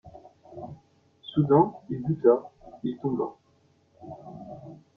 Soudain il buta, il tomba...